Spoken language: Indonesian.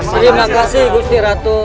terima kasih gusti ratu